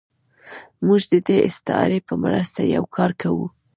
موږ د دې استعارې په مرسته یو کار کوو.